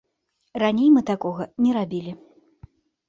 Раней мы такога не рабілі.